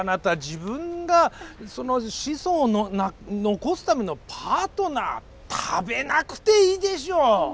自分がその子孫を残すためのパートナー食べなくていいでしょう。